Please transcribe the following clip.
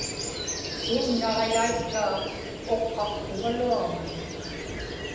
suunnaġilaitkaa uqqaqtugaluaġman